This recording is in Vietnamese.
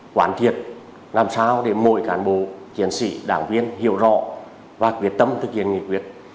quản thiệt làm sao để mỗi cán bộ chiến sĩ đảng viên hiểu rõ và quyết tâm thực hiện nghị quyết